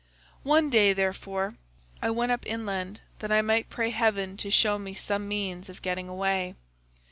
One day, therefore, I went up inland that I might pray heaven to show me some means of getting away.